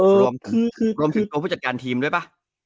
รวมถึงตัวผู้จัดการทีมด้วยปะ